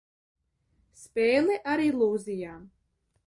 Spēle ar ilūzijām.